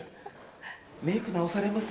メイク直されます？